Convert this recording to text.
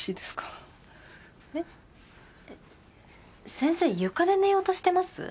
先生床で寝ようとしてます？